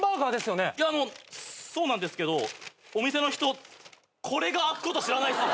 あのそうなんですけどお店の人これが開くこと知らないっすわ。